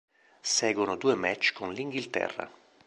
Seguono due match con L'Inghilterra.